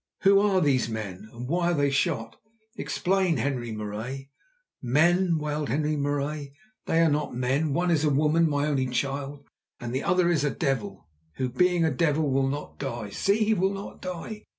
Who are these men, and why are they shot? Explain, Henri Marais." "Men!" wailed Henri Marais, "they are not men. One is a woman—my only child; and the other is a devil, who, being a devil, will not die. See! he will not die.